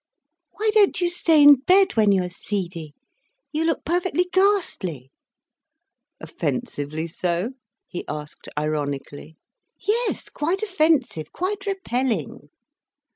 "Why don't you stay in bed when you are seedy? You look perfectly ghastly." "Offensively so?" he asked ironically. "Yes, quite offensive. Quite repelling."